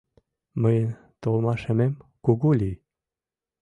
Мыйын толмашешем кугу лий!